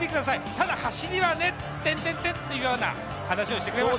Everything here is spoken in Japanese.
ただ走りはねっていうような話をしてくれました。